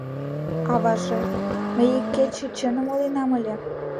— Аваже, мый икече чыным ойленам ыле.